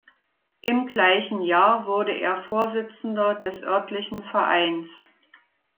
Im gleichen Jahr wurde er Vorsitzender des örtlichen Vereins.